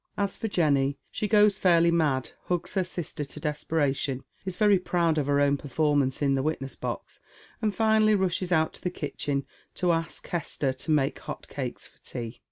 As for Jenny, she goes fairly mad, hugs her sister to desperation, is very proud of her own perform ance in tlie witness box, and finally rushes out to the kitchen to ask Hester to make hot cakes for tea.